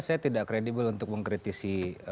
karena saya tidak kredibel untuk mengkritisi